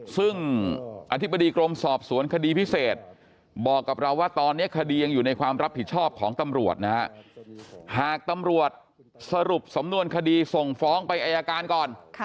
ซึ่งอธิบดีกรมสอบสวนคดีพิเศษบอกกับเราว่าตอนนี้คดียังอยู่ในความรับผิดชอบของตำรวจนะฮะหากตำรวจสรุปสำนวนคดีส่งฟ้องไปอายการก่อน